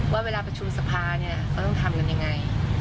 ว่าเวลาประชุมสภาเนี่ยเขาต้องทำกันยังไง